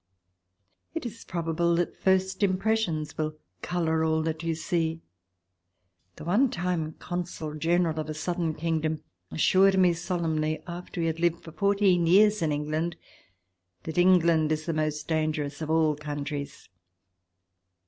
It is probable that first impressions will colour all that you see. The one time Consul General of a Southern kingdom assured me solemnly, after he had lived for fourteen years in England, that Eng land is the most dangerous of all countries.